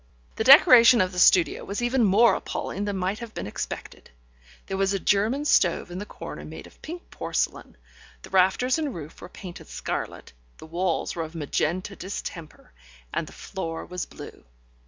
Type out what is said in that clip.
The decoration of the studio was even more appalling than might have been expected. There was a German stove in the corner made of pink porcelain, the rafters and roof were painted scarlet, the walls were of magenta distemper and the floor was blue.